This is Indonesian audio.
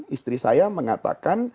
istri saya mengatakan